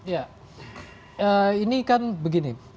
ya ini kan begini